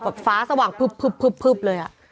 แบบฟ้าสว่างเพื่อบเลยอะ